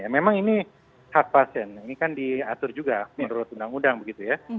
memang ini hard pass ya ini kan diatur juga menurut undang undang begitu ya